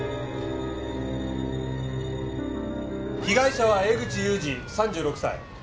被害者は江口勇二３６歳。